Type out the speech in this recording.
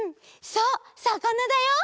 そうさかなだよ！